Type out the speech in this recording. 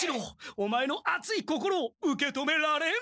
オマエの熱い心を受け止められん！